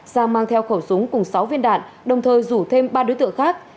sang mang theo khẩu súng cùng sáu viên đạn đồng thời rủ thêm ba đối tượng khác